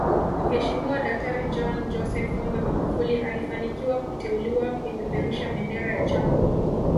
Mheshimiwa daktari John Joseph Pombe Magufuli alifanikiwa kuteuliwa kuipeperusha bendera ya chama